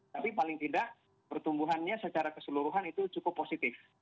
tapi paling tidak pertumbuhannya secara keseluruhan itu cukup positif